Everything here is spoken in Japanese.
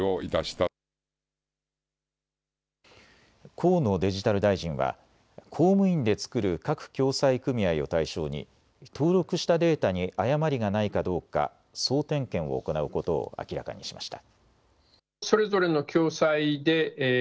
河野デジタル大臣は公務員で作る各共済組合を対象に登録したデータに誤りがないかどうか総点検を行うことを明らかにしました。